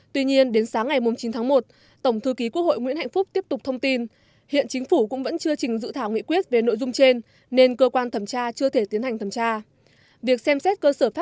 tuy nhiên đến sáng ngày chín tháng một tổng thư ký quốc hội nguyễn hạnh phúc tiếp tục thông tin hiện chính phủ cũng vẫn chưa trình dự thảo nghị quyết về nội dung trên nên cơ quan thẩm tra chưa thể tiến hành thẩm tra